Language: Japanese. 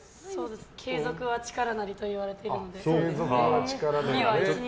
継続は力なりと言われているので。